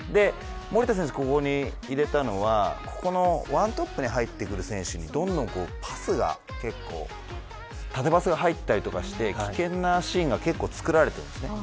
守田選手をここに入れたのはワントップに入ってくる選手にどんどん縦パスが入ったりして危険なシーンが作られているんです。